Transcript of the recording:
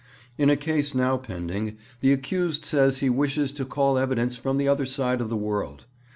In a case now pending the accused says he wishes to call evidence from the other side of the world.